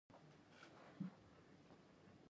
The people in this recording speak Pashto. شجاع الدوله وایي احمدشاه به ډهلي ته ولاړ شي.